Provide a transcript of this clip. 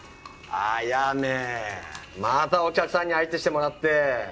あやめまたお客さんに相手してもらって。